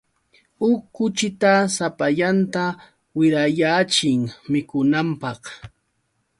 Huk kuchita sapallanta wirayaachin mikunanpaq.